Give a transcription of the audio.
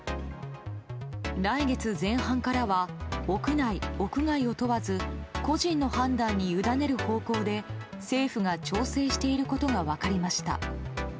来月前半からは屋内・屋外を問わず個人の判断に委ねる方向で政府が調整していることが分かりました。